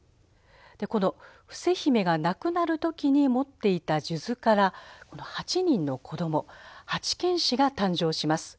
この伏姫が亡くなる時に持っていた数珠からこの八人の子ども八犬士が誕生します。